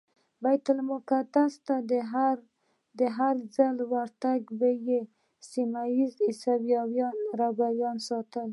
بیت المقدس ته په هرځل ورتګ به یې پر سیمه ایزو عیسویانو رعب ساتل.